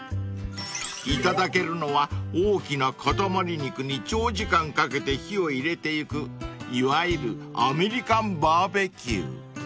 ［いただけるのは大きな塊肉に長時間かけて火を入れていくいわゆるアメリカンバーベキュー］